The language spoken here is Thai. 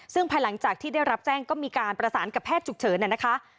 ซึ่งภายหลังจากที่ได้รับแจ้งก็มีการประสานกับแพทย์ฉุกเฉินนะคะ